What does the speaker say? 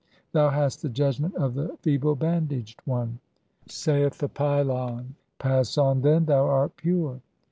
Thou hast the (46) judgment of the "feeble bandaged one." [Saith the pylon :—] "Pass on, then, thou art pure." XIII.